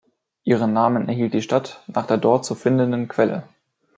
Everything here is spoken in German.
Ihren Namen erhielt die Stadt nach der dort zu findenden Quelle.